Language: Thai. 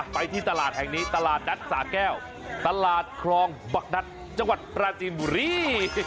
ไปที่ตลาดแห่งนี้ตลาดนัดสาแก้วตลาดคลองบักนัดจังหวัดปราจีนบุรี